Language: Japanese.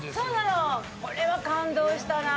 これは感動したな。